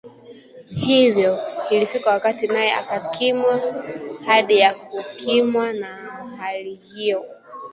hivyo, ilifikia wakati naye akakimwa hadi ya kukimwa na hali hiyo